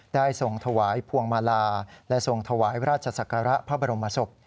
ได้ทวายทวงมาลาและทวายราชศักระพระบรมศพ